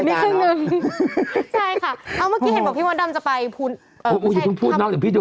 ใช่ค่ะเมื่อกี้เห็นพี่หมอนดำจะไปอย่าต้องพูดน้องเดี๋ยวพี่ดู